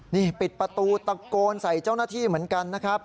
นี่ปิดประตูตะโกนใส่เจ้าหน้าที่เหมือนกันนะครับ